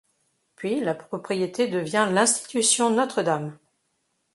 Puis la propriété devient l'institution Notre-Dame.